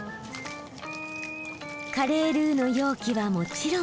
カレールーの容器はもちろん。